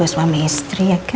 perjalanan masih jauh ya